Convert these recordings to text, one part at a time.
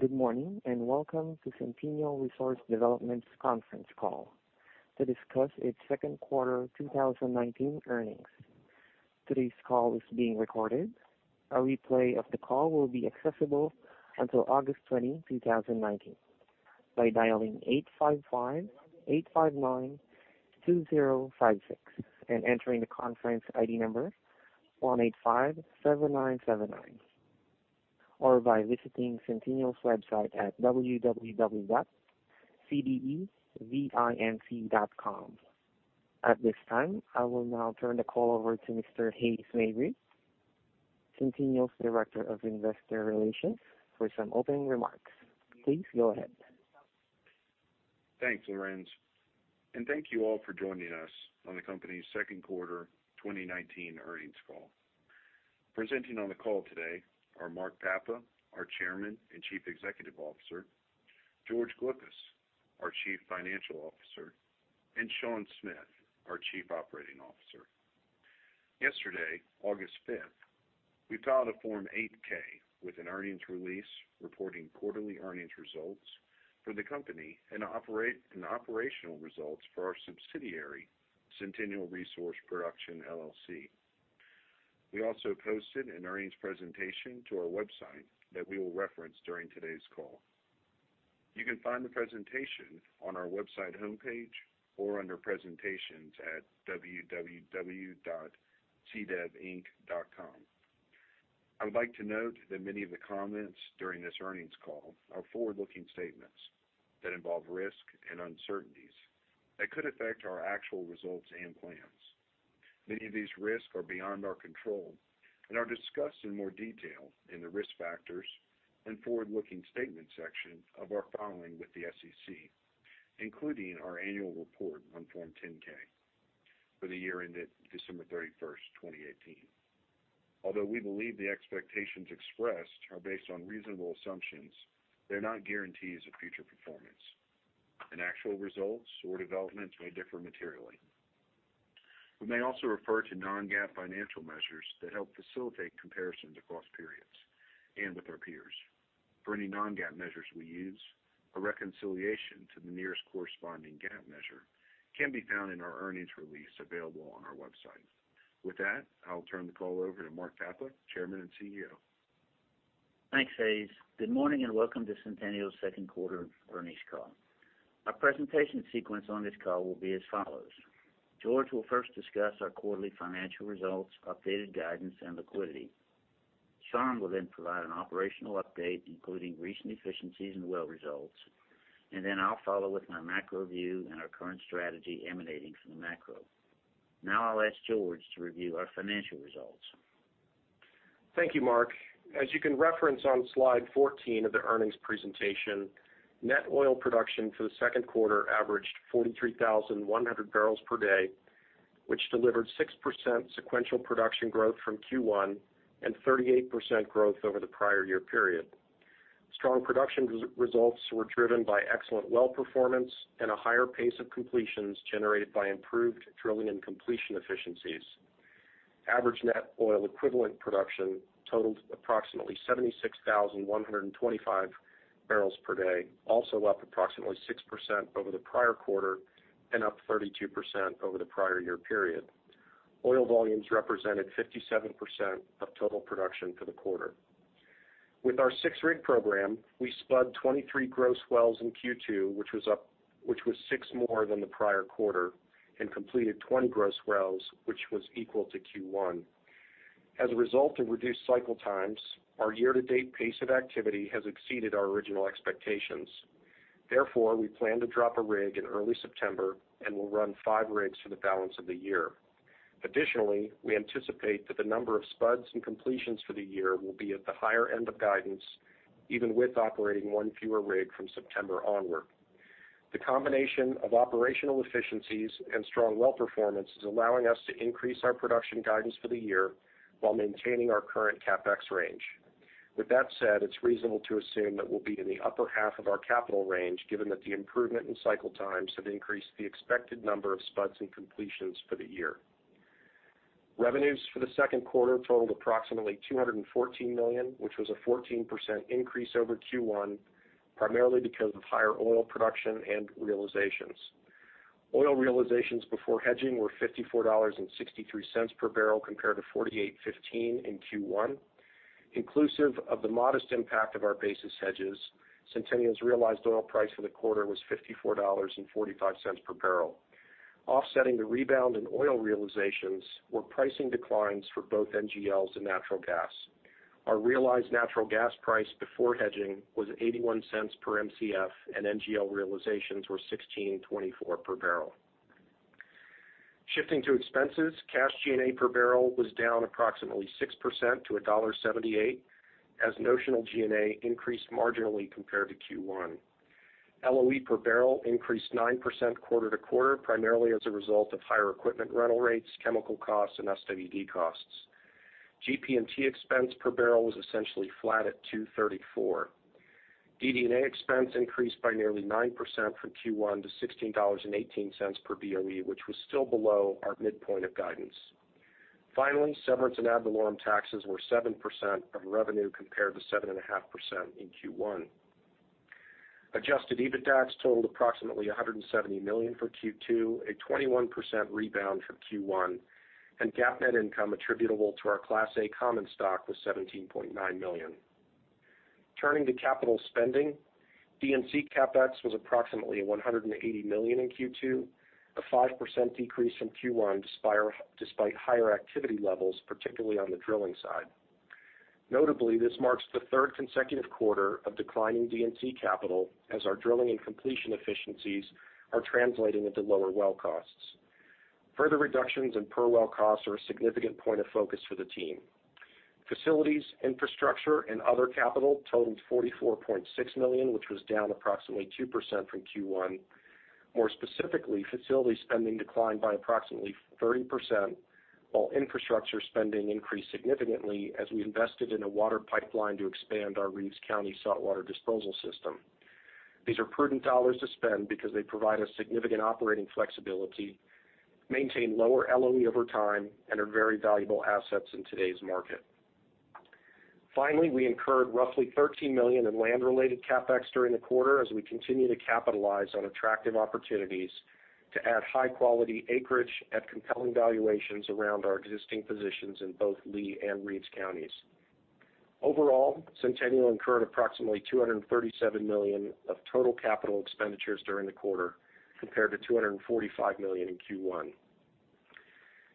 Good morning, welcome to Centennial Resource Development's conference call to discuss its second quarter 2019 earnings. Today's call is being recorded. A replay of the call will be accessible until August 20, 2019 by dialing 855-859-2056 and entering the conference ID number 1857979, or by visiting Centennial's website at www.cdevinc.com. At this time, I will now turn the call over to Mr. Hays Mabry, Centennial's Director of Investor Relations, for some opening remarks. Please go ahead. Thanks, Lorenz, and thank you all for joining us on the company's second quarter 2019 earnings call. Presenting on the call today are Mark Papa, our Chairman and Chief Executive Officer, George Glyphis, our Chief Financial Officer, and Sean Smith, our Chief Operating Officer. Yesterday, August 5th, we filed a Form 8-K with an earnings release reporting quarterly earnings results for the company and operational results for our subsidiary, Centennial Resource Production, LLC. We also posted an earnings presentation to our website that we will reference during today's call. You can find the presentation on our website homepage or under presentations at www.cdevinc.com. I would like to note that many of the comments during this earnings call are forward-looking statements that involve risk and uncertainties that could affect our actual results and plans. Many of these risks are beyond our control and are discussed in more detail in the risk factors and forward-looking statements section of our filing with the SEC, including our annual report on Form 10-K for the year ended December 31st, 2018. Although we believe the expectations expressed are based on reasonable assumptions, they're not guarantees of future performance, and actual results or developments may differ materially. We may also refer to non-GAAP financial measures that help facilitate comparisons across periods and with our peers. For any non-GAAP measures we use, a reconciliation to the nearest corresponding GAAP measure can be found in our earnings release available on our website. With that, I'll turn the call over to Mark Papa, Chairman and CEO. Thanks, Hays. Good morning and welcome to Centennial's second quarter earnings call. Our presentation sequence on this call will be as follows. George will first discuss our quarterly financial results, updated guidance, and liquidity. Sean will then provide an operational update, including recent efficiencies and well results, then I'll follow with my macro view and our current strategy emanating from the macro. Now I'll ask George to review our financial results. Thank you, Mark. As you can reference on slide 14 of the earnings presentation, net oil production for the second quarter averaged 43,100 barrels per day, which delivered 6% sequential production growth from Q1 and 38% growth over the prior year period. Strong production results were driven by excellent well performance and a higher pace of completions generated by improved drilling and completion efficiencies. Average net oil equivalent production totaled approximately 76,125 barrels per day, also up approximately 6% over the prior quarter and up 32% over the prior year period. Oil volumes represented 57% of total production for the quarter. With our six-rig program, we spudded 23 gross wells in Q2, which was six more than the prior quarter, and completed 20 gross wells, which was equal to Q1. As a result of reduced cycle times, our year-to-date pace of activity has exceeded our original expectations. Therefore, we plan to drop a rig in early September and will run five rigs for the balance of the year. Additionally, we anticipate that the number of spuds and completions for the year will be at the higher end of guidance, even with operating one fewer rig from September onward. The combination of operational efficiencies and strong well performance is allowing us to increase our production guidance for the year while maintaining our current CapEx range. With that said, it's reasonable to assume that we'll be in the upper half of our capital range, given that the improvement in cycle times have increased the expected number of spuds and completions for the year. Revenues for the second quarter totaled approximately $214 million, which was a 14% increase over Q1, primarily because of higher oil production and realizations. Oil realizations before hedging were $54.63 per barrel compared to $48.15 in Q1. Inclusive of the modest impact of our basis hedges, Centennial's realized oil price for the quarter was $54.45 per barrel. Offsetting the rebound in oil realizations were pricing declines for both NGLs and natural gas. Our realized natural gas price before hedging was $0.81 per Mcf and NGL realizations were $16.24 per barrel. Shifting to expenses, cash G&A per barrel was down approximately 6% to $1.78 as notional G&A increased marginally compared to Q1. LOE per barrel increased 9% quarter-to-quarter, primarily as a result of higher equipment rental rates, chemical costs, and SWD costs. GP&T expense per barrel was essentially flat at $2.34. DD&A expense increased by nearly 9% from Q1 to $16.18 per BOE, which was still below our midpoint of guidance. Finally, severance and ad valorem taxes were 7% of revenue, compared to 7.5% in Q1. Adjusted EBITDAX totaled approximately $170 million for Q2, a 21% rebound from Q1, and GAAP net income attributable to our Class A common stock was $17.9 million. Turning to capital spending, D&C CapEx was approximately $180 million in Q2, a 5% decrease from Q1, despite higher activity levels, particularly on the drilling side. Notably, this marks the third consecutive quarter of declining D&C capital as our drilling and completion efficiencies are translating into lower well costs. Further reductions in per well costs are a significant point of focus for the team. Facilities, infrastructure, and other capital totaled $44.6 million, which was down approximately 2% from Q1. More specifically, facility spending declined by approximately 30%, while infrastructure spending increased significantly as we invested in a water pipeline to expand our Reeves County saltwater disposal system. These are prudent dollars to spend because they provide us significant operating flexibility, maintain lower LOE over time, and are very valuable assets in today's market. Finally, we incurred roughly $13 million in land-related CapEx during the quarter as we continue to capitalize on attractive opportunities to add high-quality acreage at compelling valuations around our existing positions in both Lee and Reeves Counties. Overall, Centennial incurred approximately $237 million of total capital expenditures during the quarter, compared to $245 million in Q1.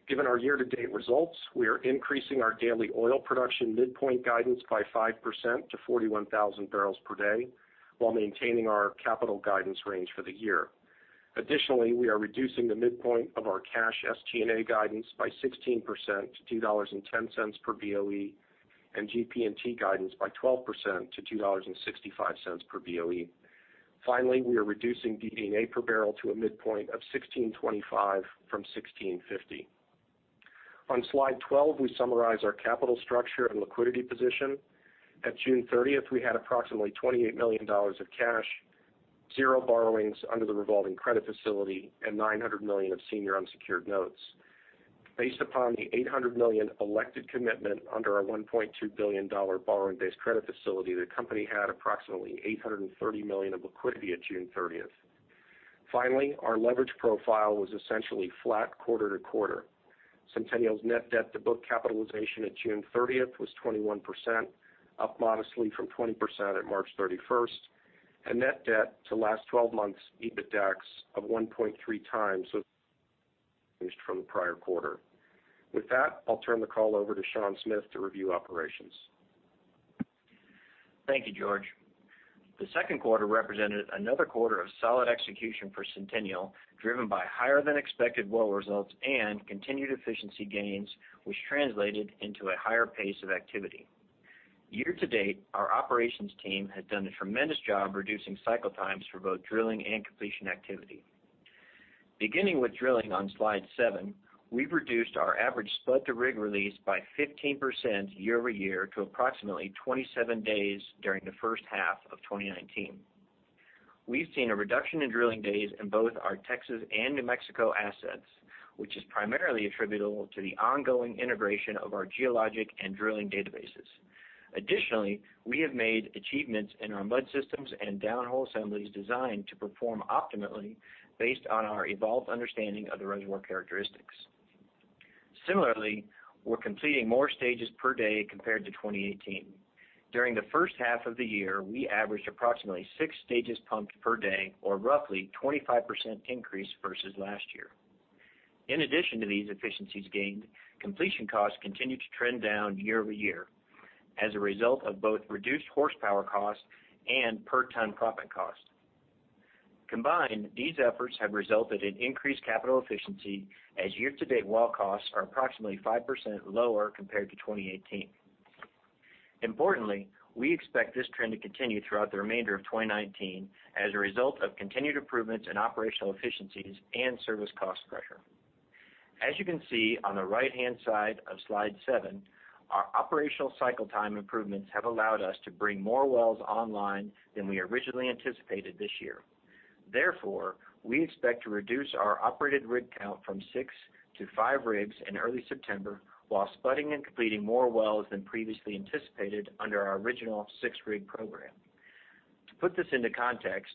Given our year-to-date results, we are increasing our daily oil production midpoint guidance by 5% to 41,000 barrels per day while maintaining our capital guidance range for the year. Additionally, we are reducing the midpoint of our cash G&A guidance by 16% to $2.10 per BOE and GP&T guidance by 12% to $2.65 per BOE. We are reducing DD&A per barrel to a midpoint of $16.25 from $16.50. On slide 12, we summarize our capital structure and liquidity position. At June 30th, we had approximately $28 million of cash, zero borrowings under the revolving credit facility, and $900 million of senior unsecured notes. Based upon the $800 million elected commitment under our $1.2 billion borrowing-based credit facility, the company had approximately $830 million of liquidity at June 30th. Our leverage profile was essentially flat quarter to quarter. Centennial's net debt to book capitalization at June 30th was 21%, up modestly from 20% at March 31st, and net debt to last 12 months EBITDAX of 1.3 times from the prior quarter. With that, I'll turn the call over to Sean Smith to review operations. Thank you, George. The second quarter represented another quarter of solid execution for Centennial, driven by higher than expected well results and continued efficiency gains, which translated into a higher pace of activity. Year to date, our operations team has done a tremendous job reducing cycle times for both drilling and completion activity. Beginning with drilling on Slide 7, we've reduced our average spud to rig release by 15% year-over-year to approximately 27 days during the first half of 2019. We've seen a reduction in drilling days in both our Texas and New Mexico assets, which is primarily attributable to the ongoing integration of our geologic and drilling databases. Additionally, we have made achievements in our mud systems and downhole assemblies designed to perform optimally based on our evolved understanding of the reservoir characteristics. Similarly, we're completing more stages per day compared to 2018. During the first half of the year, we averaged approximately 6 stages pumped per day or roughly 25% increase versus last year. In addition to these efficiencies gained, completion costs continued to trend down year-over-year as a result of both reduced horsepower costs and per ton proppant cost. Combined, these efforts have resulted in increased capital efficiency as year-to-date well costs are approximately 5% lower compared to 2018. Importantly, we expect this trend to continue throughout the remainder of 2019 as a result of continued improvements in operational efficiencies and service cost pressure. As you can see on the right-hand side of Slide 7, our operational cycle time improvements have allowed us to bring more wells online than we originally anticipated this year. Therefore, we expect to reduce our operated rig count from 6 to 5 rigs in early September, while spudding and completing more wells than previously anticipated under our original 6-rig program. To put this into context,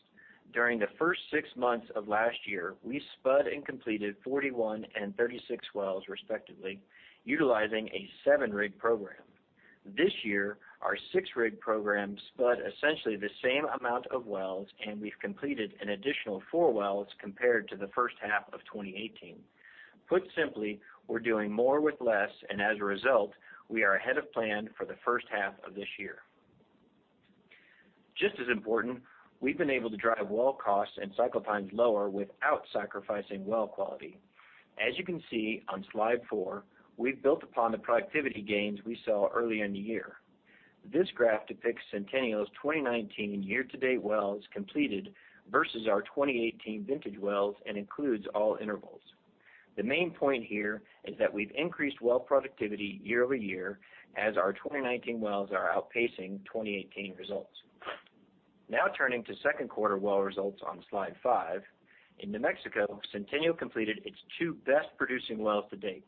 during the first six months of last year, we spud and completed 41 and 36 wells respectively, utilizing a 7-rig program. This year, our 6-rig program spudded essentially the same amount of wells, and we've completed an additional 4 wells compared to the first half of 2018. Put simply, we're doing more with less, and as a result, we are ahead of plan for the first half of this year. Just as important, we've been able to drive well costs and cycle times lower without sacrificing well quality. As you can see on Slide 4, we've built upon the productivity gains we saw early in the year. This graph depicts Centennial's 2019 year-to-date wells completed versus our 2018 vintage wells and includes all intervals. The main point here is that we've increased well productivity year-over-year as our 2019 wells are outpacing 2018 results. Now turning to second quarter well results on Slide 5. In New Mexico, Centennial completed its two best-producing wells to date.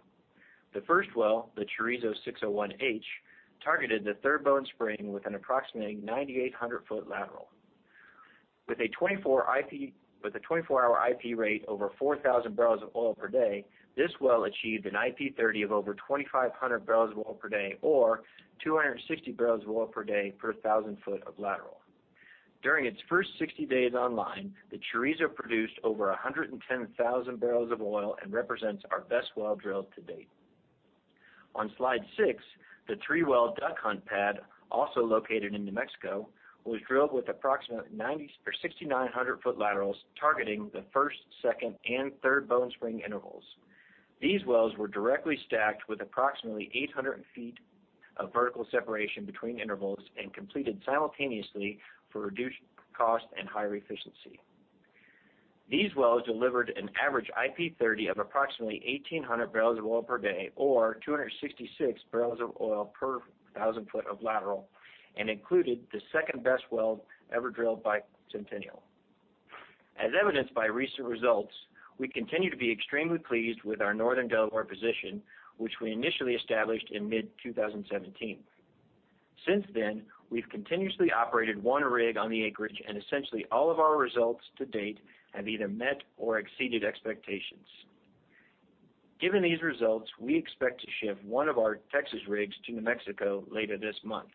The first well, the Chorizo 601H, targeted the Third Bone Spring with an approximately 9,800-foot lateral. With a 24-hour IP rate over 4,000 barrels of oil per day, this well achieved an IP 30 of over 2,500 barrels of oil per day or 260 barrels of oil per day per 1,000 foot of lateral. During its first 60 days online, the Chorizo produced over 110,000 barrels of oil and represents our best well drilled to date. On Slide six, the three-well Duck Hunt pad, also located in New Mexico, was drilled with approximate 6,900-foot laterals targeting the First, Second, and Third Bone Spring intervals. These wells were directly stacked with approximately 800 feet of vertical separation between intervals and completed simultaneously for reduced cost and higher efficiency. These wells delivered an average IP 30 of approximately 1,800 barrels of oil per day or 266 barrels of oil per 1,000 foot of lateral and included the second-best well ever drilled by Centennial. As evidenced by recent results, we continue to be extremely pleased with our Northern Delaware position, which we initially established in mid-2017. Since then, we've continuously operated one rig on the acreage, and essentially all of our results to date have either met or exceeded expectations. Given these results, we expect to ship one of our Texas rigs to New Mexico later this month.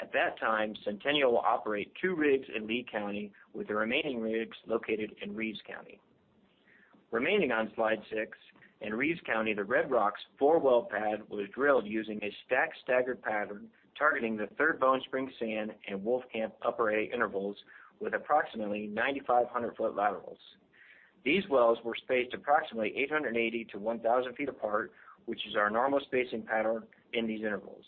At that time, Centennial will operate two rigs in Lea County, with the remaining rigs located in Reeves County. Remaining on Slide six, in Reeves County, the Red Rock four-well pad was drilled using a stacked staggered pattern targeting the Third Bone Spring sand and Wolfcamp A intervals with approximately 9,500-foot laterals. These wells were spaced approximately 880 to 1,000 feet apart, which is our normal spacing pattern in these intervals.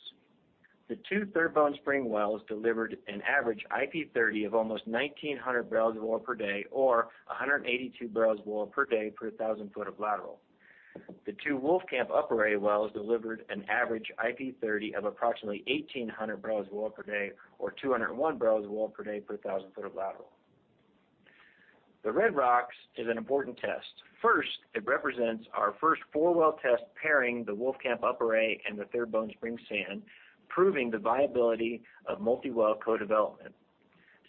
The two Third Bone Spring wells delivered an average IP 30 of almost 1,900 barrels of oil per day or 182 barrels of oil per day per 1,000 foot of lateral. The two Wolfcamp A wells delivered an average IP 30 of approximately 1,800 barrels of oil per day or 201 barrels of oil per day per 1,000 foot of lateral. The Red Rock is an important test. First, it represents our first four-well test pairing the Wolfcamp Upper A and the Third Bone Spring sand, proving the viability of multi-well co-development.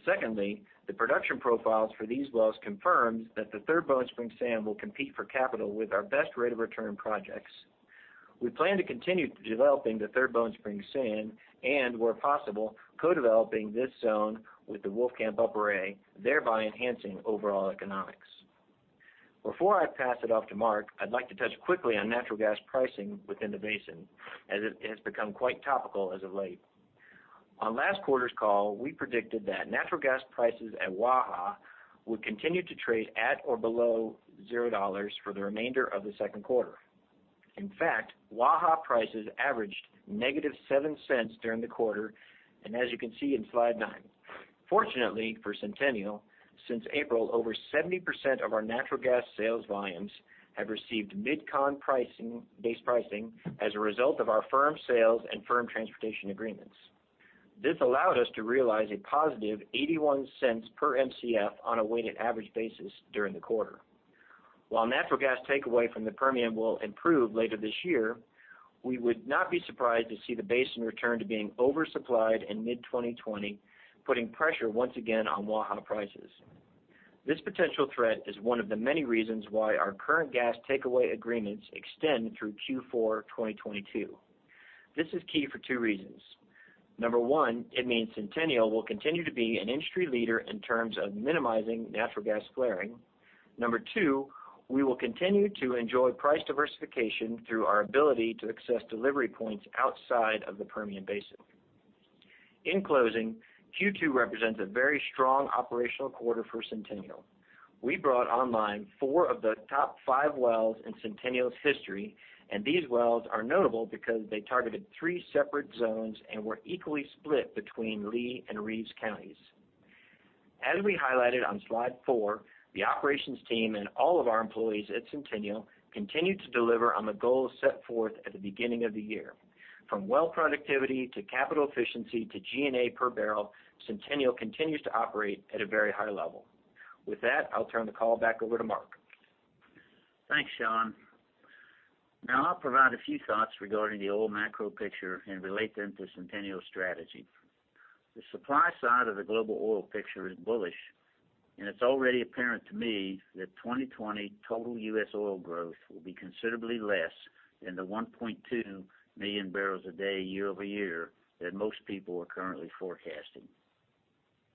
Secondly, the production profiles for these wells confirms that the Third Bone Spring sand will compete for capital with our best rate of return projects. We plan to continue developing the Third Bone Spring sand, and where possible, co-developing this zone with the Wolfcamp Upper A, thereby enhancing overall economics. Before I pass it off to Mark, I'd like to touch quickly on natural gas pricing within the basin, as it has become quite topical as of late. On last quarter's call, we predicted that natural gas prices at Waha would continue to trade at or below $0 for the remainder of the second quarter. In fact, Waha prices averaged -$0.07 during the quarter, and as you can see in Slide nine. Fortunately for Centennial, since April, over 70% of our natural gas sales volumes have received MidCon base pricing as a result of our firm sales and firm transportation agreements. This allowed us to realize a positive $0.81 per Mcf on a weighted average basis during the quarter. While natural gas takeaway from the Permian will improve later this year, we would not be surprised to see the basin return to being oversupplied in mid-2020, putting pressure once again on Waha prices. This potential threat is one of the many reasons why our current gas takeaway agreements extend through Q4 2022. This is key for two reasons. Number one, it means Centennial will continue to be an industry leader in terms of minimizing natural gas flaring. Number two, we will continue to enjoy price diversification through our ability to access delivery points outside of the Permian Basin. In closing, Q2 represents a very strong operational quarter for Centennial. We brought online four of the top five wells in Centennial's history, and these wells are notable because they targeted three separate zones and were equally split between Lee and Reeves Counties. As we highlighted on Slide four, the operations team and all of our employees at Centennial continue to deliver on the goals set forth at the beginning of the year. From well productivity to capital efficiency to G&A per barrel, Centennial continues to operate at a very high level. With that, I'll turn the call back over to Mark. Thanks, Sean. Now I'll provide a few thoughts regarding the oil macro picture and relate them to Centennial's strategy. The supply side of the global oil picture is bullish, and it's already apparent to me that 2020 total U.S. oil growth will be considerably less than the 1.2 million barrels a day year-over-year that most people are currently forecasting.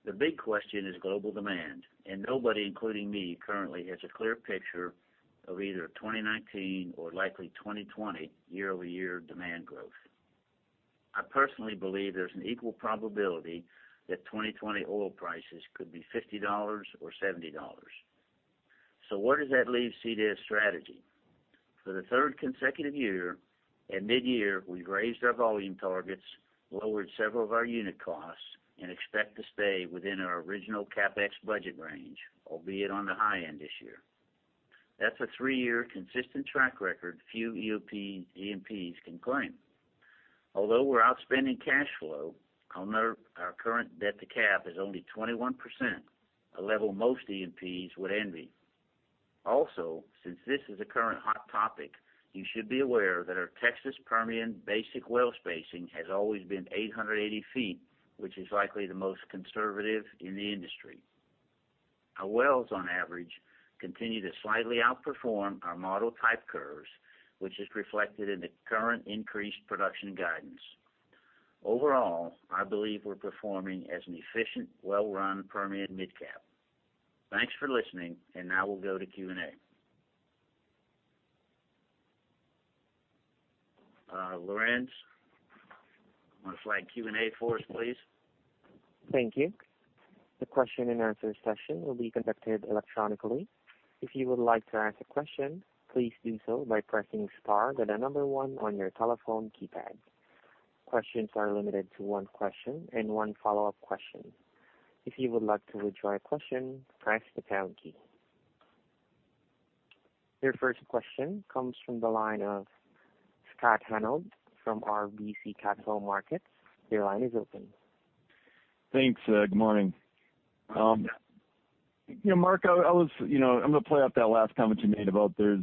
The big question is global demand, and nobody, including me, currently has a clear picture of either 2019 or likely 2020 year-over-year demand growth. I personally believe there's an equal probability that 2020 oil prices could be $50 or $70. What does that leave CDEV's strategy? For the third consecutive year, at midyear, we've raised our volume targets, lowered several of our unit costs, and expect to stay within our original CapEx budget range, albeit on the high end this year. That's a three-year consistent track record few E&Ps can claim. We're outspending cash flow, I'll note our current debt to cap is only 21%, a level most E&Ps would envy. Since this is a current hot topic, you should be aware that our Texas Permian basic well spacing has always been 880 feet, which is likely the most conservative in the industry. Our wells, on average, continue to slightly outperform our model type curves, which is reflected in the current increased production guidance. I believe we're performing as an efficient, well-run Permian mid-cap. Thanks for listening. Now we'll go to Q&A. Lorenz, you want to flag Q&A for us, please? Thank you. The question and answer session will be conducted electronically. If you would like to ask a question, please do so by pressing star, then the number one on your telephone keypad. Questions are limited to one question and one follow-up question. If you would like to withdraw a question, press the pound key. Your first question comes from the line of Scott Hanold from RBC Capital Markets. Your line is open. Thanks. Good morning. Mark, I'm going to play off that last comment you made about there's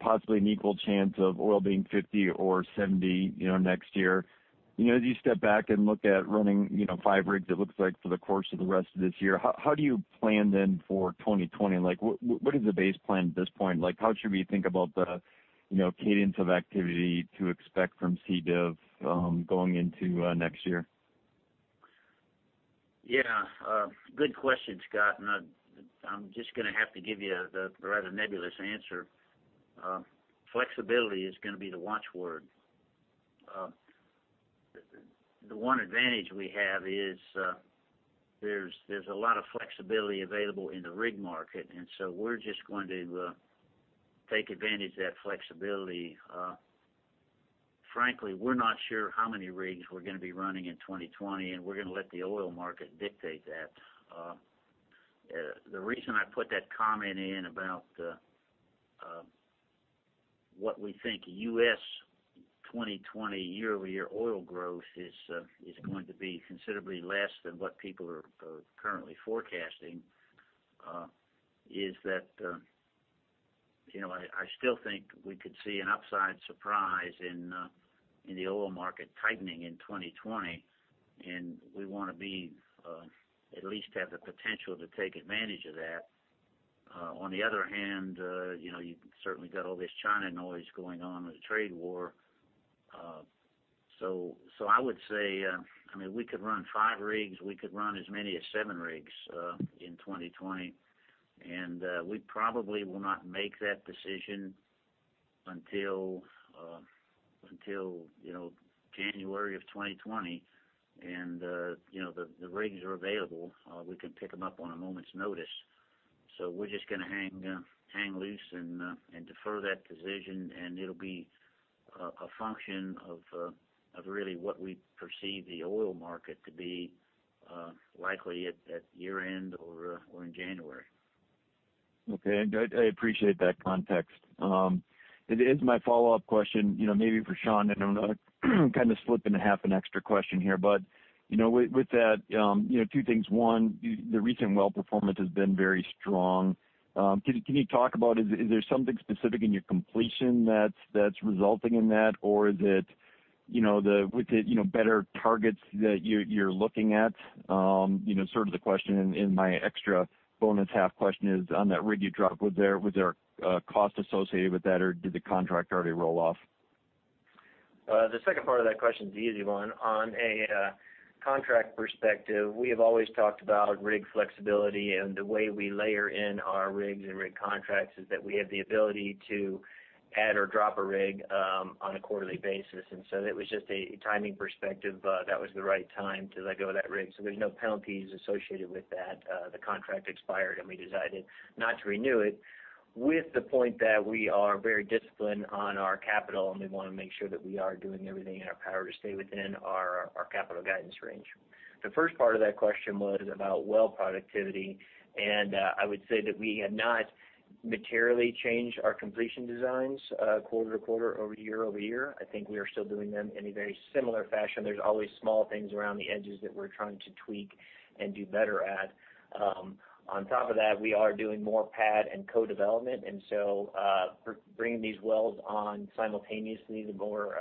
possibly an equal chance of oil being $50 or $70 next year. As you step back and look at running five rigs, it looks like for the course of the rest of this year, how do you plan then for 2020? What is the base plan at this point? How should we think about the cadence of activity to expect from CDEV going into next year? Good question, Scott. I'm just going to have to give you the rather nebulous answer. Flexibility is going to be the watchword. The one advantage we have is there's a lot of flexibility available in the rig market. We're just going to take advantage of that flexibility. Frankly, we're not sure how many rigs we're going to be running in 2020. We're going to let the oil market dictate that. The reason I put that comment in about what we think U.S. 2020 year-over-year oil growth is going to be considerably less than what people are currently forecasting, is that I still think we could see an upside surprise in the oil market tightening in 2020. We want to at least have the potential to take advantage of that. On the other hand, you've certainly got all this China noise going on with the trade war. I would say, we could run five rigs, we could run as many as seven rigs in 2020, and we probably will not make that decision until January of 2020. The rigs are available. We can pick them up on a moment's notice. We're just going to hang loose and defer that decision, and it'll be a function of really what we perceive the oil market to be likely at year end or in January. Okay. I appreciate that context. It is my follow-up question, maybe for Sean, and I'm kind of slipping a half an extra question here, with that, two things. One, the recent well performance has been very strong. Can you talk about, is there something specific in your completion that's resulting in that, or is it with the better targets that you're looking at? Sort of the question in my extra bonus half question is on that rig you dropped, was there a cost associated with that, or did the contract already roll off? The second part of that question is the easy one. On a contract perspective, we have always talked about rig flexibility, and the way we layer in our rigs and rig contracts is that we have the ability to add or drop a rig on a quarterly basis. That was just a timing perspective. That was the right time to let go of that rig. There's no penalties associated with that. The contract expired, and we decided not to renew it with the point that we are very disciplined on our capital, and we want to make sure that we are doing everything in our power to stay within our capital guidance range. The first part of that question was about well productivity, and I would say that we have not materially changed our completion designs quarter-to-quarter, or year-over-year. I think we are still doing them in a very similar fashion. There's always small things around the edges that we're trying to tweak and do better at. On top of that, we are doing more pad and co-development, bringing these wells on simultaneously the more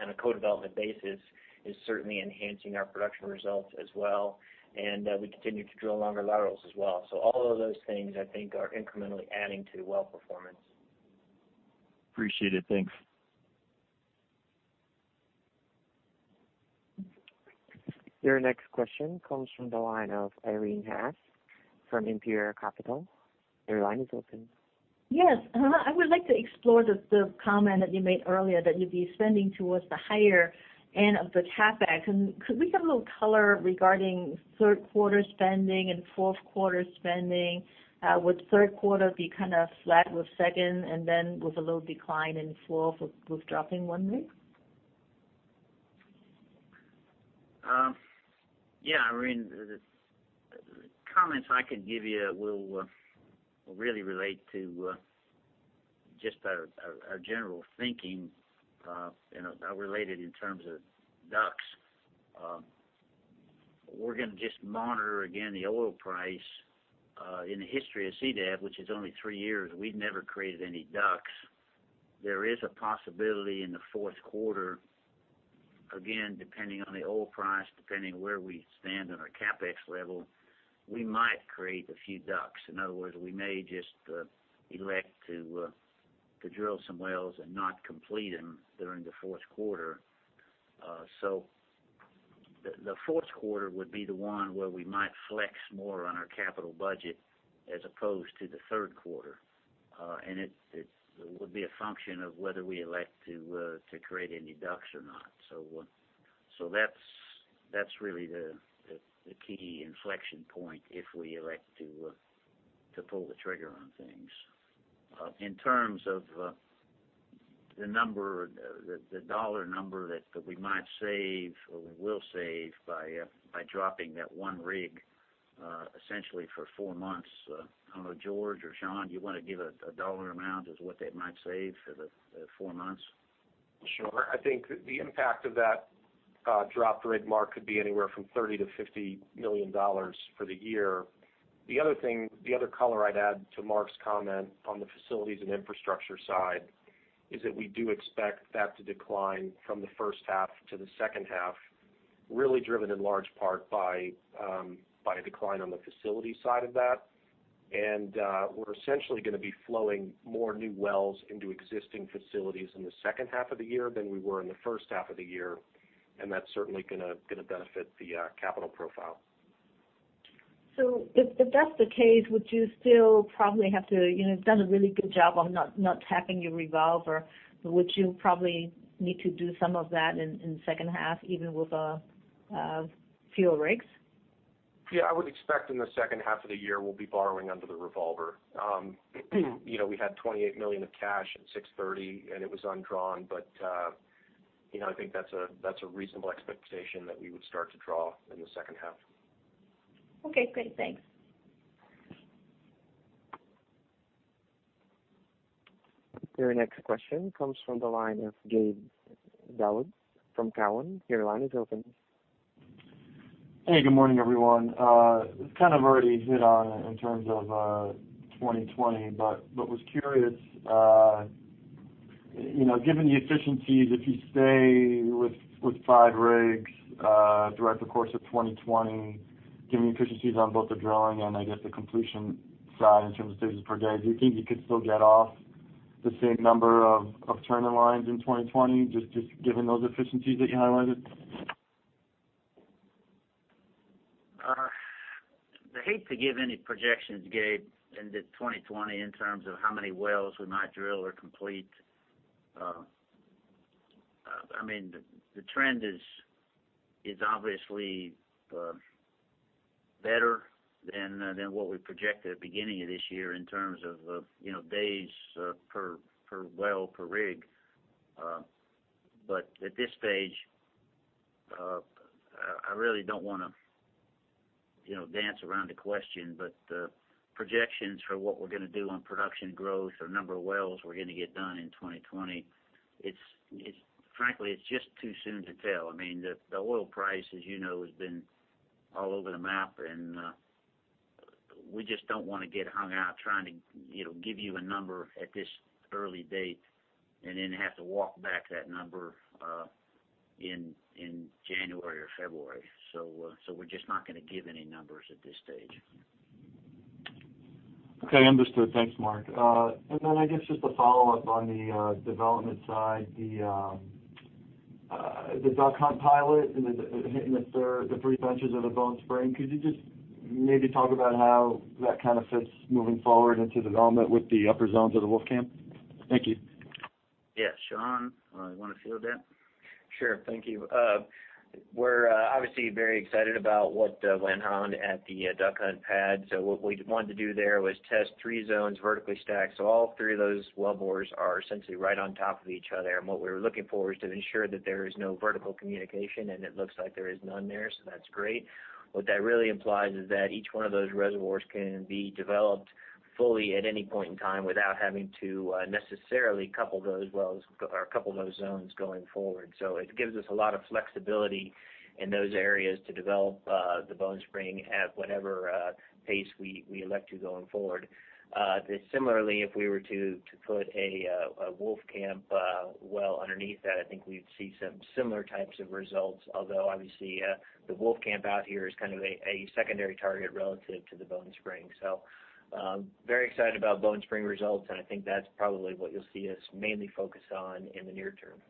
on a co-development basis is certainly enhancing our production results as well, and we continue to drill longer laterals as well. All of those things, I think, are incrementally adding to well performance. Appreciate it. Thanks. Your next question comes from the line of Irene Haas from Imperial Capital. Your line is open. Yes. I would like to explore the comment that you made earlier that you'd be spending towards the higher end of the CapEx, and could we have a little color regarding third quarter spending and fourth quarter spending? Would third quarter be kind of flat with second, and then with a little decline in fourth with dropping one rig? Yeah, Irene, the comments I could give you will really relate to just our general thinking, related in terms of DUCs. We're going to just monitor again the oil price. In the history of CDEV, which is only three years, we've never created any DUCs. There is a possibility in the fourth quarter, again, depending on the oil price, depending where we stand on our CapEx level, we might create a few DUCs. In other words, we may just elect to drill some wells and not complete them during the fourth quarter. The fourth quarter would be the one where we might flex more on our capital budget as opposed to the third quarter. It would be a function of whether we elect to create any DUCs or not. That's really the key inflection point if we elect to pull the trigger on things. In terms of the dollar number that we might save, or we will save by dropping that one rig, essentially for four months. I don't know, George or Sean, do you want to give a dollar amount as what that might save for the four months? Sure. I think the impact of that dropped rig, Mark, could be anywhere from $30 million-$50 million for the year. The other color I'd add to Mark's comment on the facilities and infrastructure side is that we do expect that to decline from the first half to the second half, really driven in large part by a decline on the facility side of that. We're essentially going to be flowing more new wells into existing facilities in the second half of the year than we were in the first half of the year, and that's certainly going to benefit the capital profile. If that's the case, would you still probably have to You've done a really good job on not tapping your revolver, but would you probably need to do some of that in the second half even with fewer rigs? Yeah, I would expect in the second half of the year, we'll be borrowing under the revolver. We had $28 million of cash at 630, and it was undrawn, but I think that's a reasonable expectation that we would start to draw in the second half. Okay, great. Thanks. Your next question comes from the line of Gabe Daoud from Cowen. Your line is open. Hey, good morning, everyone. It's kind of already hit on it in terms of 2020, was curious, given the efficiencies, if you stay with five rigs throughout the course of 2020, given the efficiencies on both the drilling and I guess the completion side in terms of stages per day, do you think you could still get off the same number of turning lines in 2020, just given those efficiencies that you highlighted? I hate to give any projections, Gabe, into 2020 in terms of how many wells we might drill or complete. The trend is obviously better than what we projected at the beginning of this year in terms of days per well per rig. At this stage, I really don't want to dance around the question, but projections for what we're going to do on production growth or number of wells we're going to get done in 2020, frankly, it's just too soon to tell. The oil price, as you know, has been all over the map, and we just don't want to get hung out trying to give you a number at this early date and then have to walk back that number in January or February. We're just not going to give any numbers at this stage. Okay, understood. Thanks, Mark. I guess just a follow-up on the development side, the Duck Hunt pilot and the hitting the three benches of the Bone Spring, could you just maybe talk about how that fits moving forward into development with the upper zones of the Wolfcamp? Thank you. Yeah. Sean, you want to field that? Sure. Thank you. We're obviously very excited about what went on at the Duck Hunt pad. What we wanted to do there was test three zones vertically stacked. All three of those wellbores are essentially right on top of each other. What we were looking for is to ensure that there is no vertical communication, and it looks like there is none there, so that's great. What that really implies is that each one of those reservoirs can be developed fully at any point in time without having to necessarily couple those wells or couple those zones going forward. It gives us a lot of flexibility in those areas to develop the Bone Spring at whatever pace we elect to going forward. Similarly, if we were to put a Wolfcamp well underneath that, I think we'd see some similar types of results. Although obviously, the Wolfcamp out here is a secondary target relative to the Bone Spring. Very excited about Bone Spring results, and I think that's probably what you'll see us mainly focus on in the near term.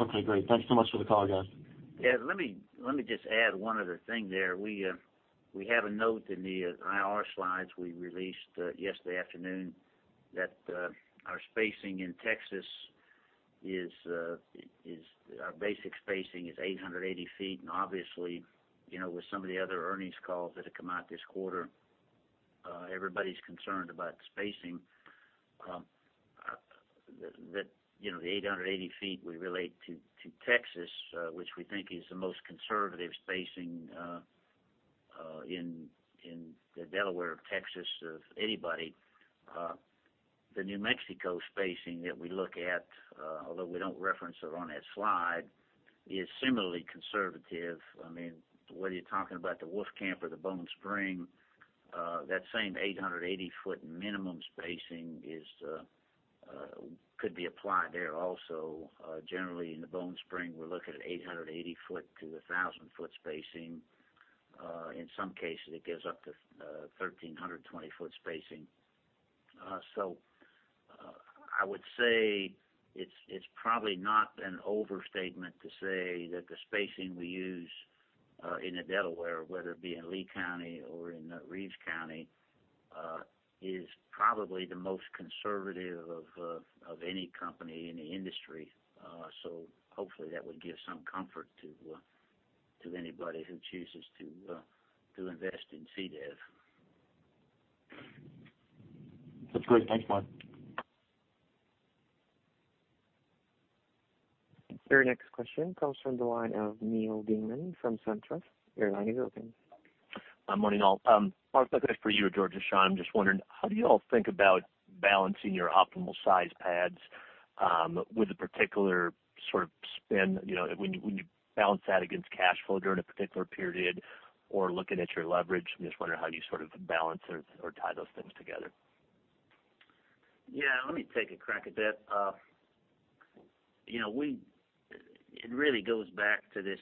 Okay, great. Thanks so much for the call, guys. Let me just add one other thing there. We have a note in the IR slides we released yesterday afternoon that our spacing in Texas is-- our basic spacing is 880 feet, and obviously, with some of the other earnings calls that have come out this quarter, everybody's concerned about the spacing. The 880 feet we relate to Texas, which we think is the most conservative spacing in the Delaware of Texas of anybody. The New Mexico spacing that we look at, although we don't reference it on that slide, is similarly conservative. Whether you're talking about the Wolfcamp or the Bone Spring, that same 880-foot minimum spacing could be applied there also. Generally, in the Bone Spring, we're looking at 880 foot to 1,000-foot spacing. In some cases, it goes up to 1,320-foot spacing. I would say, it's probably not an overstatement to say that the spacing we use in the Delaware, whether it be in Lea County or in Reeves County, is probably the most conservative of any company in the industry. Hopefully that would give some comfort to anybody who chooses to invest in CDEV. That's great. Thanks, Mark. Your next question comes from the line of Neal Dingmann from SunTrust. Your line is open. Morning, all. Mark, this is for you or George or Sean. I'm just wondering, how do you all think about balancing your optimal size pads with a particular sort of spend, when you balance that against cash flow during a particular period or looking at your leverage? I'm just wondering how you sort of balance or tie those things together? Yeah. Let me take a crack at that. It really goes back to this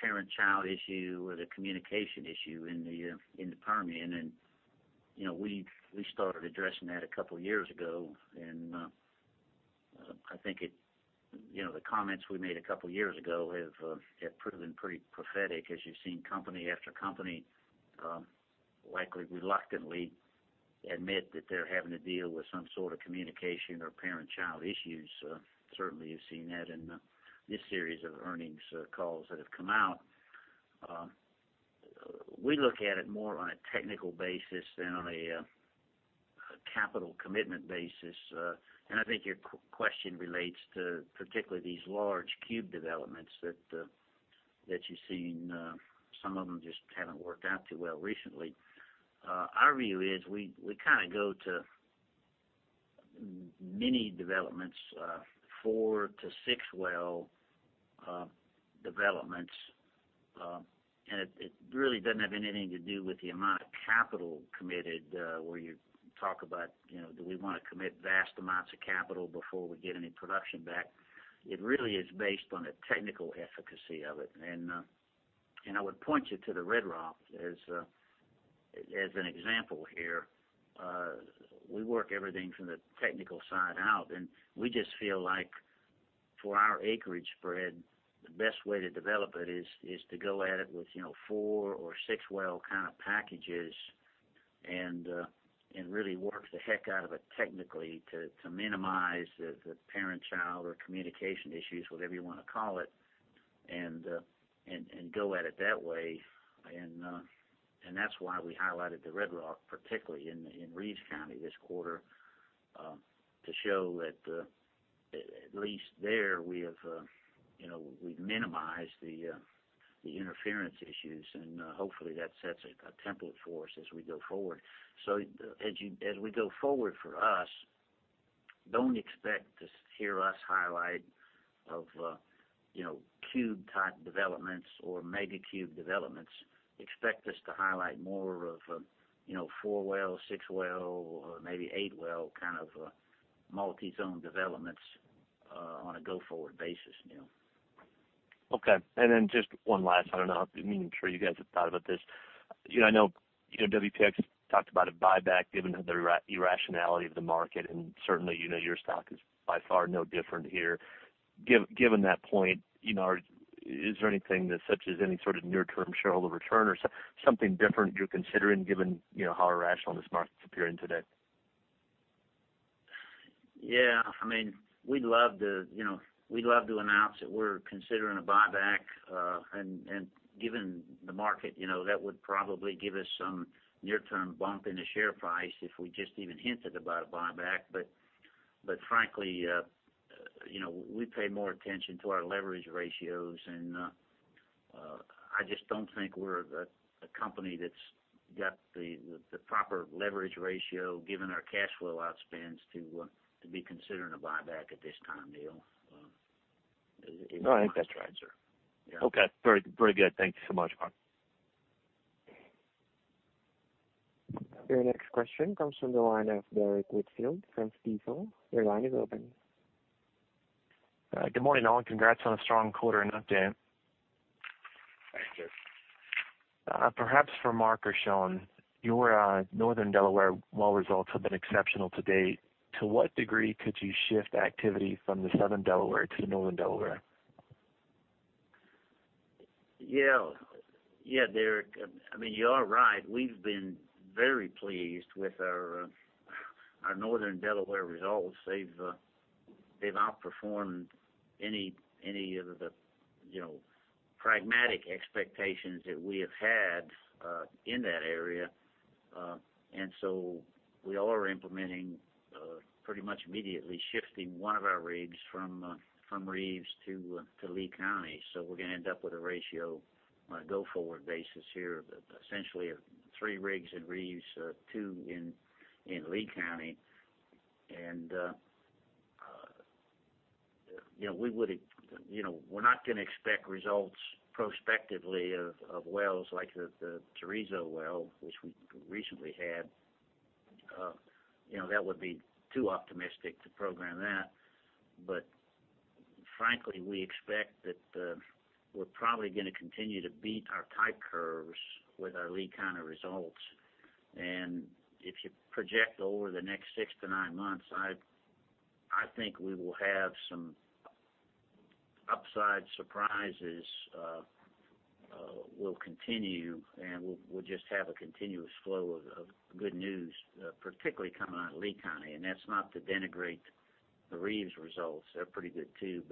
parent-child issue or the communication issue in the Permian. We started addressing that a couple of years ago. I think the comments we made a couple of years ago have proven pretty prophetic as you've seen company after company, likely reluctantly, admit that they're having to deal with some sort of communication or parent-child issues. Certainly, you've seen that in this series of earnings calls that have come out. We look at it more on a technical basis than on a capital commitment basis. I think your question relates to particularly these large cube developments that you've seen, some of them just haven't worked out too well recently. Our view is we go to mini developments, four to six-well developments. It really doesn't have anything to do with the amount of capital committed, where you talk about, do we want to commit vast amounts of capital before we get any production back? It really is based on the technical efficacy of it. I would point you to the Red Rock as an example here. We work everything from the technical side out, and we just feel like for our acreage spread, the best way to develop it is to go at it with four or six-well packages and really work the heck out of it technically to minimize the parent-child or communication issues, whatever you want to call it, and go at it that way. That's why we highlighted the Red Rock, particularly in Reeves County this quarter, to show that at least there we've minimized the interference issues, and hopefully that sets a template for us as we go forward. As we go forward for us, don't expect to hear us highlight cube-type developments or mega cube developments. Expect us to highlight more of 4-well, 6-well, or maybe 8-well multi-zone developments on a go-forward basis, Neal. Okay. Just one last, I don't know, I mean, I'm sure you guys have thought about this. I know WPX has talked about a buyback given the irrationality of the market, and certainly, you know your stock is by far no different here. Given that point, is there anything such as any sort of near-term shareholder return or something different you're considering given how irrational this market's appearing today? Yeah. We'd love to announce that we're considering a buyback, and given the market, that would probably give us some near-term bump in the share price if we just even hinted about a buyback. Frankly, we pay more attention to our leverage ratios, and I just don't think we're a company that's got the proper leverage ratio, given our cash flow outspends, to be considering a buyback at this time, Neal. No, I think that's right. That's the answer. Yeah. Okay. Very good. Thank you so much, Mark. Your next question comes from the line of Derrick Whitfield from Stifel. Your line is open. Good morning, all. Congrats on a strong quarter and update. Thanks, Derrick. Perhaps for Mark or Sean, your Northern Delaware well results have been exceptional to date. To what degree could you shift activity from the Southern Delaware to the Northern Delaware? Yeah. Derrick, you are right. We've been very pleased with our Northern Delaware results. They've outperformed any of the pragmatic expectations that we have had in that area. We are implementing, pretty much immediately shifting one of our rigs from Reeves to Lea County. We're going to end up with a ratio on a go-forward basis here, essentially of three rigs in Reeves, two in Lea County. We're not going to expect results prospectively of wells like the Chorizo well, which we recently had. That would be too optimistic to program that. Frankly, we expect that we're probably going to continue to beat our type curves with our Lea County results. If you project over the next six to nine months, I think we will have some upside surprises, will continue, and we'll just have a continuous flow of good news, particularly coming out of Lea County. That's not to denigrate the Reeves results. They're pretty good, too.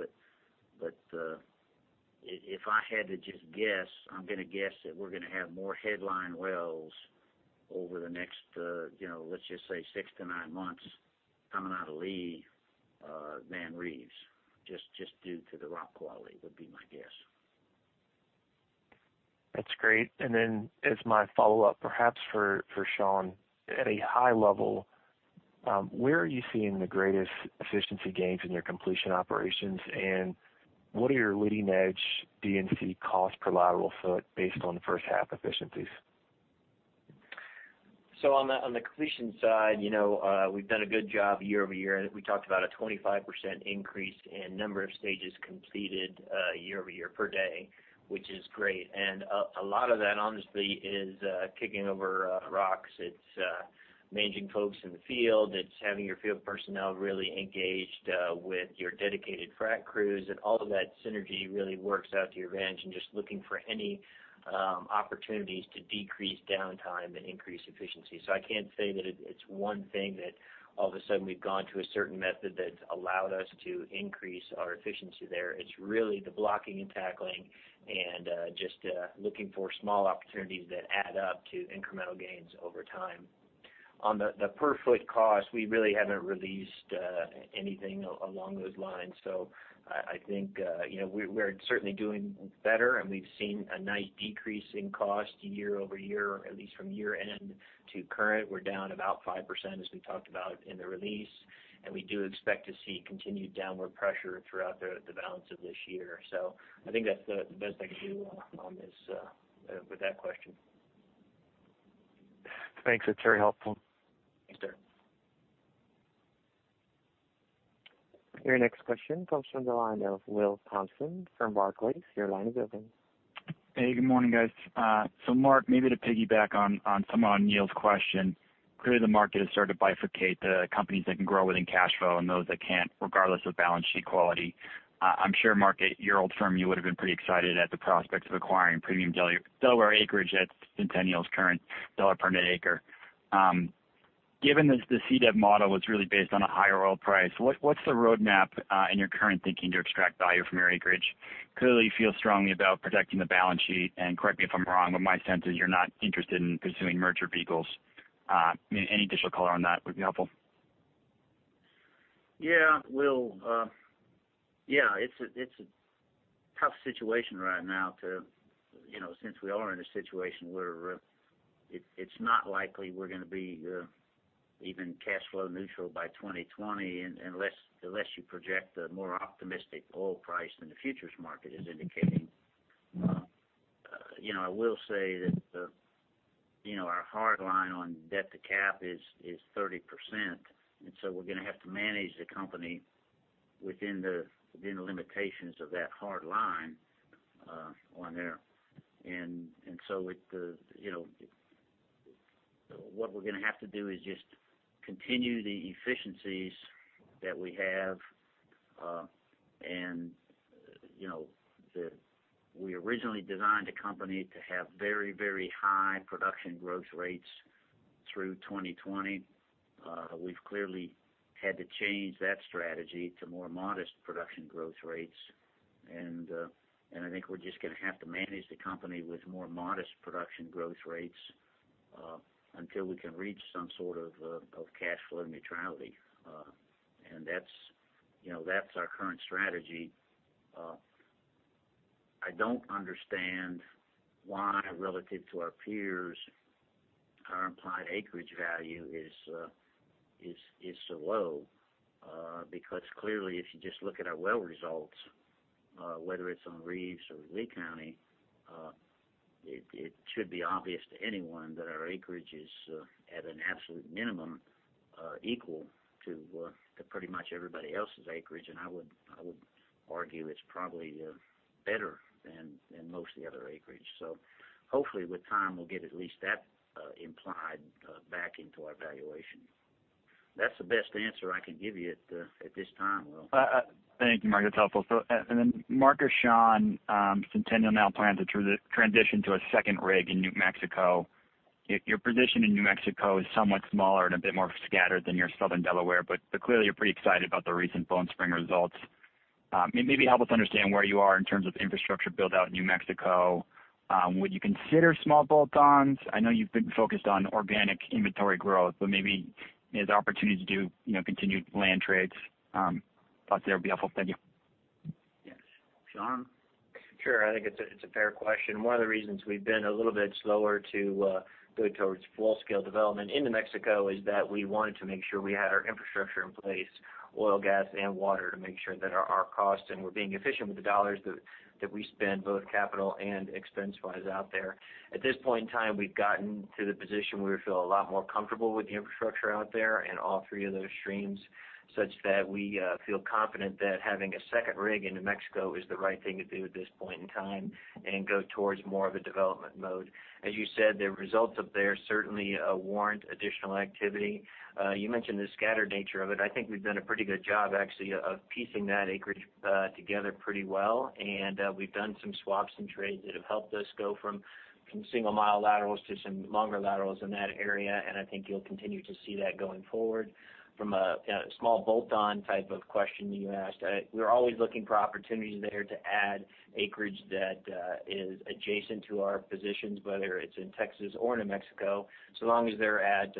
If I had to just guess, I'm going to guess that we're going to have more headline wells over the next let's just say six to nine months, coming out of Lee than Reeves, just due to the rock quality would be my guess. That's great. As my follow-up, perhaps for Sean, at a high level, where are you seeing the greatest efficiency gains in your completion operations, and what are your leading-edge D&C cost per lateral foot based on first-half efficiencies? On the completion side, we've done a good job year-over-year. We talked about a 25% increase in number of stages completed year-over-year per day, which is great. A lot of that, honestly, is kicking over rocks. It's managing folks in the field. It's having your field personnel really engaged with your dedicated frack crews. All of that synergy really works out to your advantage, and just looking for any opportunities to decrease downtime and increase efficiency. I can't say that it's one thing that all of a sudden we've gone to a certain method that's allowed us to increase our efficiency there. It's really the blocking and tackling and just looking for small opportunities that add up to incremental gains over time. On the per-foot cost, we really haven't released anything along those lines. I think we're certainly doing better, and we've seen a nice decrease in cost year-over-year, at least from year-end to current. We're down about 5%, as we talked about in the release, and we do expect to see continued downward pressure throughout the balance of this year. I think that's the best I can do with that question. Thanks. That's very helpful. Thanks, sir. Your next question comes from the line of Will Thompson from Barclays. Your line is open. Good morning, guys. Mark, maybe to piggyback on some of Neal's question, clearly the market has started to bifurcate the companies that can grow within cash flow and those that can't, regardless of balance sheet quality. I'm sure, Mark, at your old firm, you would've been pretty excited at the prospects of acquiring premium Delaware acreage at Centennial's current dollar per net acre. Given this, the CDEV model was really based on a higher oil price. What's the roadmap in your current thinking to extract value from your acreage? Clearly, you feel strongly about protecting the balance sheet, and correct me if I'm wrong, but my sense is you're not interested in pursuing merger vehicles. Any additional color on that would be helpful. Yeah, Will. It's a tough situation right now since we are in a situation where it's not likely we're going to be even cash flow neutral by 2020, unless you project a more optimistic oil price than the futures market is indicating. I will say that our hard line on debt to cap is 30%. We're going to have to manage the company within the limitations of that hard line on there. What we're going to have to do is just continue the efficiencies that we have. We originally designed the company to have very, very high production growth rates through 2020. We've clearly had to change that strategy to more modest production growth rates. I think we're just going to have to manage the company with more modest production growth rates until we can reach some sort of cash flow neutrality. That's our current strategy. I don't understand why, relative to our peers, our implied acreage value is so low. Clearly, if you just look at our well results, whether it's on Reeves County or Lea County, it should be obvious to anyone that our acreage is at an absolute minimum equal to pretty much everybody else's acreage. I would argue it's probably better than most of the other acreage. Hopefully with time, we'll get at least that implied back into our valuation. That's the best answer I can give you at this time, Will. Thank you, Mark. That's helpful. Mark or Sean, Centennial now plans to transition to a second rig in New Mexico. Your position in New Mexico is somewhat smaller and a bit more scattered than your Southern Delaware, but clearly, you're pretty excited about the recent Bone Spring results. Maybe help us understand where you are in terms of infrastructure build-out in New Mexico. Would you consider small bolt-ons? I know you've been focused on organic inventory growth, but maybe there's an opportunity to do continued land trades. Thoughts there would be helpful. Thank you. Yes. Sean? Sure. I think it's a fair question. One of the reasons we've been a little bit slower to go towards full-scale development in New Mexico is that we wanted to make sure we had our infrastructure in place, oil, gas, and water, to make sure that our costs, and we're being efficient with the dollars that we spend, both capital and expense-wise out there. At this point in time, we've gotten to the position where we feel a lot more comfortable with the infrastructure out there and all three of those streams, such that we feel confident that having a second rig in New Mexico is the right thing to do at this point in time and go towards more of a development mode. As you said, the results up there certainly warrant additional activity. You mentioned the scattered nature of it. I think we've done a pretty good job, actually, of piecing that acreage together pretty well. We've done some swaps and trades that have helped us go from single-mile laterals to some longer laterals in that area, and I think you'll continue to see that going forward. From a small bolt-on type of question you asked, we're always looking for opportunities there to add acreage that is adjacent to our positions, whether it's in Texas or New Mexico, so long as they're at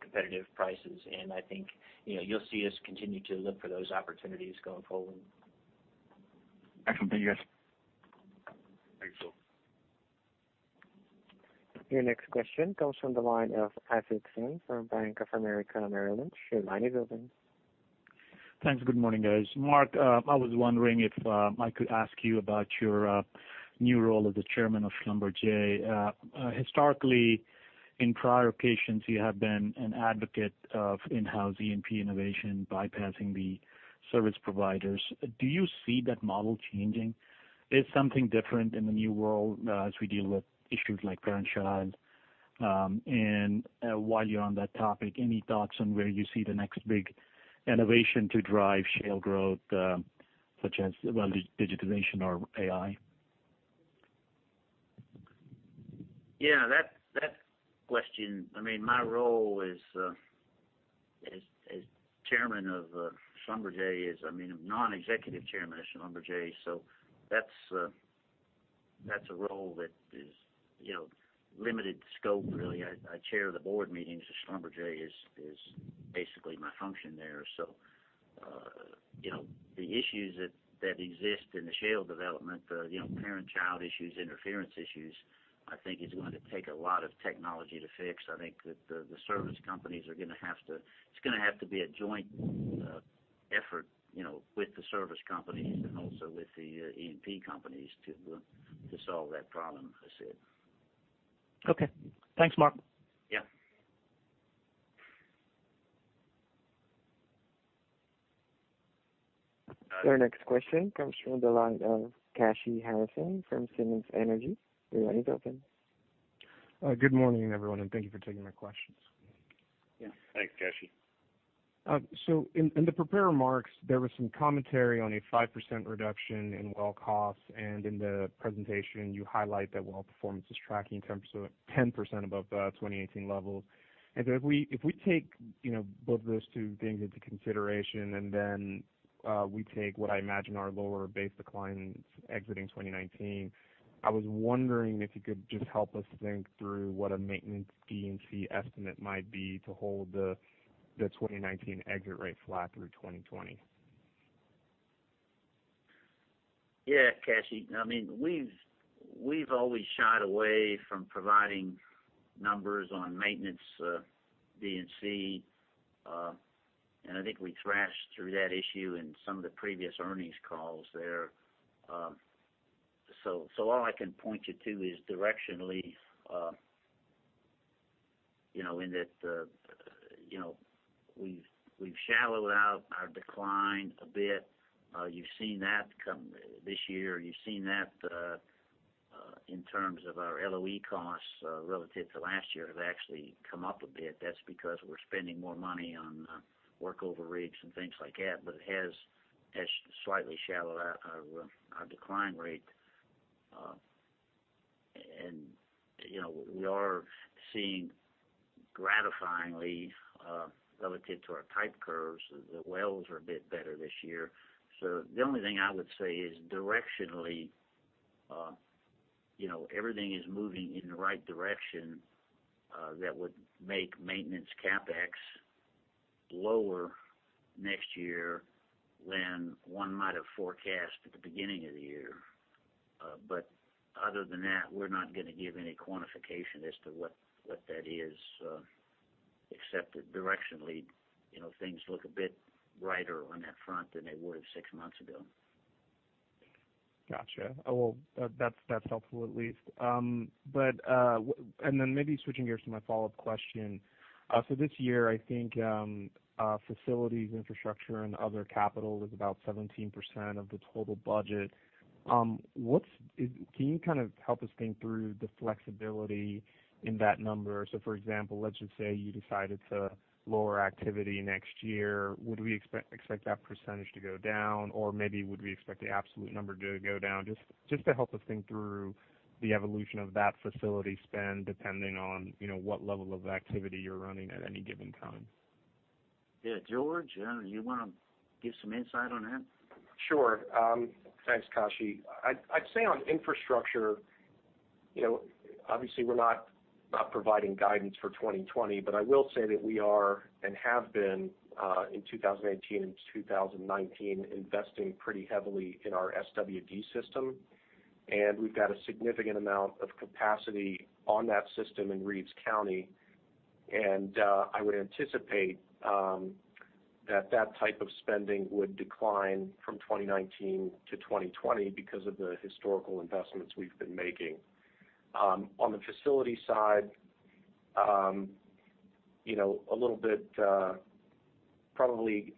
competitive prices. I think you'll continue to see us continue to look for those opportunities going forward. Excellent. Thank you, guys. Thanks, Will. Your next question comes from the line of Asit Sen from Bank of America Merrill Lynch. Your line is open. Thanks. Good morning, guys. Mark, I was wondering if I could ask you about your new role as the Chairman of SLB. Historically, in prior occasions, you have been an advocate of in-house E&P innovation, bypassing the service providers. Do you see that model changing? Is something different in the new world as we deal with issues like parent-child? While you're on that topic, any thoughts on where you see the next big innovation to drive shale growth, such as digitization or AI? Yeah, that question. My role as chairman of SLB is non-executive chairman of SLB. That's a role that is limited scope, really. I chair the board meetings of SLB, is basically my function there. The issues that exist in the shale development, parent-child issues, interference issues, I think is going to take a lot of technology to fix. I think that the service companies, it's going to have to be a joint effort, with the service companies and also with the E&P companies to solve that problem, Asit. Okay. Thanks, Mark. Yeah. Your next question comes from the line of Kashy Harrison from Simmons Energy. Your line is open. Good morning, everyone, and thank you for taking my questions. Yeah. Thanks, Kashy. In the prepared remarks, there was some commentary on a 5% reduction in well costs, and in the presentation, you highlight that well performance is tracking 10% above the 2018 levels. If we take both those two things into consideration, and then we take what I imagine are lower base declines exiting 2019, I was wondering if you could just help us think through what a maintenance D&C estimate might be to hold the 2019 exit rate flat through 2020. Yeah, Kashy. We've always shied away from providing numbers on maintenance D&C, and I think we thrashed through that issue in some of the previous earnings calls there. All I can point you to is directionally, in that we've shallowed out our decline a bit. You've seen that come this year. You've seen that in terms of our LOE costs relative to last year have actually come up a bit. That's because we're spending more money on workover rigs and things like that, but it has slightly shallowed out our decline rate. We are seeing gratifyingly, relative to our type curves, the wells are a bit better this year. The only thing I would say is directionally, everything is moving in the right direction that would make maintenance CapEx lower next year than one might have forecast at the beginning of the year. Other than that, we're not going to give any quantification as to what that is, except that directionally, things look a bit brighter on that front than they would have six months ago. Got you. Well, that's helpful at least. Maybe switching gears to my follow-up question. This year, I think facilities, infrastructure, and other capital is about 17% of the total budget. Can you help us think through the flexibility in that number? For example, let's just say you decided to lower activity next year. Would we expect that percentage to go down, or maybe would we expect the absolute number to go down? Just to help us think through the evolution of that facility spend, depending on what level of activity you're running at any given time. Yeah, George, you want to give some insight on that? Sure. Thanks, Kashy. I'd say on infrastructure, obviously we're not providing guidance for 2020, but I will say that we are, and have been, in 2018 and 2019, investing pretty heavily in our SWD system. We've got a significant amount of capacity on that system in Reeves County. I would anticipate that type of spending would decline from 2019 to 2020 because of the historical investments we've been making. On the facility side probably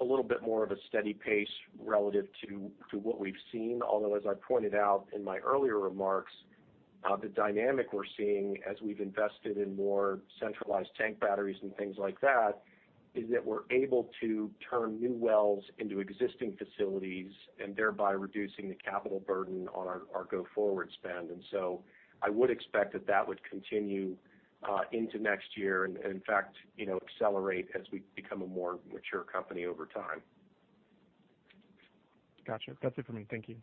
a little bit more of a steady pace relative to what we've seen. Although as I pointed out in my earlier remarks, the dynamic we're seeing as we've invested in more centralized tank batteries and things like that, is that we're able to turn new wells into existing facilities and thereby reducing the capital burden on our go-forward spend. I would expect that that would continue into next year and in fact accelerate as we become a more mature company over time. Got you. That's it for me. Thank you.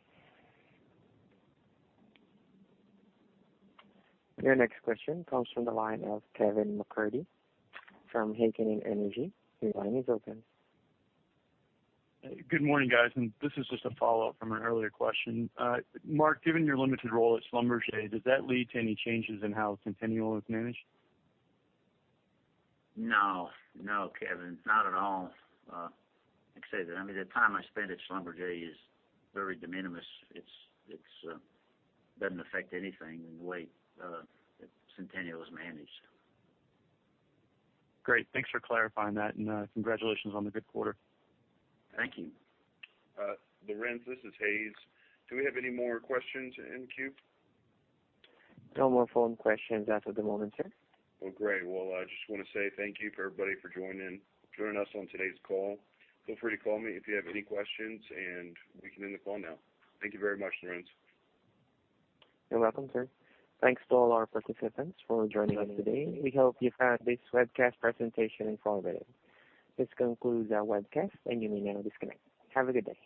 Your next question comes from the line of Kevin MacCurdy from Heikkinen Energy Advisors. Your line is open. Good morning, guys. This is just a follow-up from an earlier question. Mark, given your limited role at Schlumberger, does that lead to any changes in how Centennial is managed? No, Kevin, not at all. Like I said, the time I spend at Schlumberger is very de minimis. It doesn't affect anything in the way Centennial is managed. Great. Thanks for clarifying that, and congratulations on the good quarter. Thank you. Lorenz, this is Hays. Do we have any more questions in the queue? No more phone questions out at the moment, sir. Well, great. Well, I just want to say thank you for everybody for joining us on today's call. Feel free to call me if you have any questions, and we can end the call now. Thank you very much, Lorenz. You're welcome, sir. Thanks to all our participants for joining us today. We hope you found this webcast presentation informative. This concludes our webcast, and you may now disconnect. Have a good day.